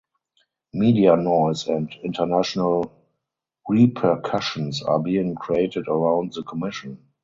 Media noise and international repercussions are being created around the commission.